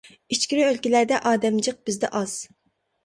ئىچكىرى ئۆلكىلەردە ئادەم جىق، بىزدە ئاز.